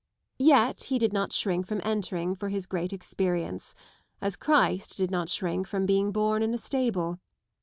Yet he did not shrink from entering for his great experience : as Christ did not shrink from being born in a stable.